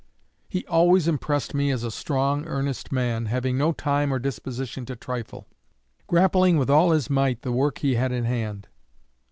"He always impressed me as a strong, earnest man, having no time or disposition to trifle; grappling with all his might the work he had in hand.